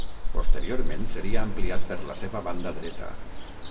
Posteriorment seria ampliat per la seva banda dreta.